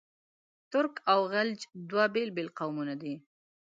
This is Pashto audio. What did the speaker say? ترک او خلج دوه بېل بېل قومونه دي.